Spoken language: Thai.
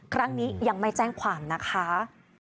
ครั้งนี้ยังไม่แจ้งความนะคะ